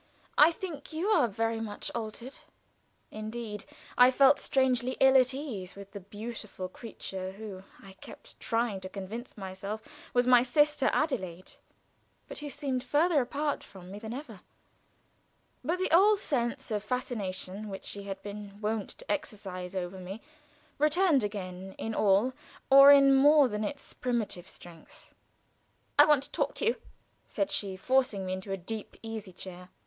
"I think you are very much altered." Indeed I felt strangely ill at ease with the beautiful creature who, I kept trying to convince myself, was my sister Adelaide, but who seemed further apart from me than ever. But the old sense of fascination which she had been wont to exercise over me returned again in all or in more than its primitive strength. "I want to talk to you," said she, forcing me into a deep easy chair.